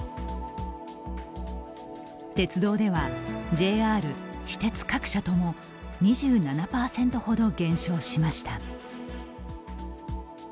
鉄道では、ＪＲ・私鉄各社とも２７％ほど減少しました。